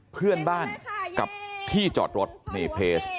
เพื่อนบ้านกับที่จอดรถนี่เพจ